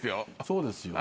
そうですよ。